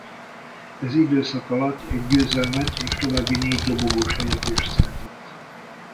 Ez időszak alatt egy győzelmet és további négy dobogós helyezést szerzett.